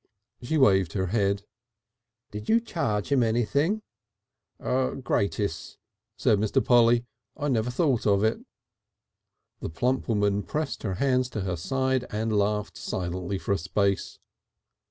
She waved her head. "Did you charge him anything?" "Gratis," said Mr. Polly. "I never thought of it." The plump woman pressed her hands to her sides and laughed silently for a space.